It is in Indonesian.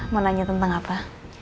mau nanya tentang apa